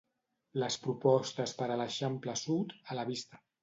Les propostes per a l'Eixample Sud, a la vista.